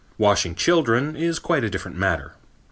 Washing children is quite a different matter.